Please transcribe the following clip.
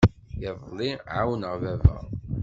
Iḍelli ɛawneɣ baba.